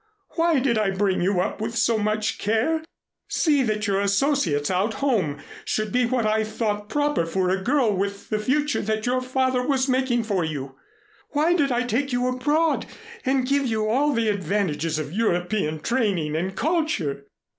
Why did I bring you up with so much care? See that your associates out home should be what I thought proper for a girl with the future that your father was making for you? Why did I take you abroad and give you all the advantages of European training and culture?